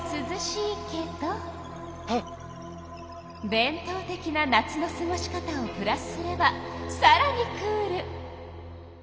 伝とう的な夏のすごし方をプラスすればさらにクール！